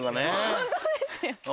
本当ですよ！